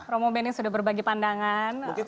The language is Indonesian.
promo bening sudah berbagi pandangan